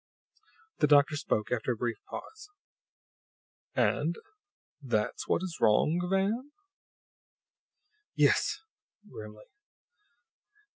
The doctor spoke after a brief pause. "And that's what is wrong, Van?" "Yes," grimly.